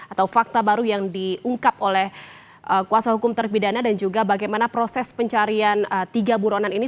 atau fakta baru yang diungkap oleh kuasa hukum terpidana dan juga bagaimana proses pencarian tiga buronan ini